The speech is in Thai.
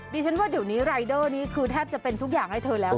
ดิฉันว่าเดี๋ยวนี้รายเดอร์นี้คือแทบจะเป็นทุกอย่างให้เธอแล้ว